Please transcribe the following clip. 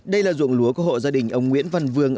đây là ruộng lúa của hộ gia đình ông nguyễn văn vương